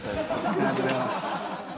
ありがとうございます